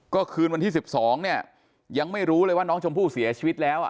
ก็คืนวันที่๑๒เนี่ยยังไม่รู้เลยว่าน้องชมพู่เสียชีวิตแล้ว